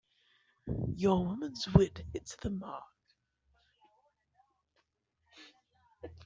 Your woman's wit hits the mark.